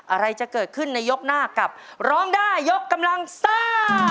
อะไรจะเกิดขึ้นในยกหน้ากับร้องได้ยกกำลังซ่า